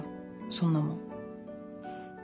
そんなもん。